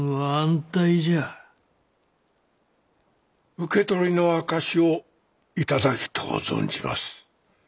受け取りの証しを頂きとう存じます。